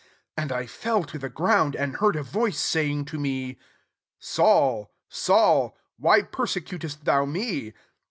7 And I fell to the ground, and heard a voice saying to me, ' Saul, Saul, why pefsecutest thou me?'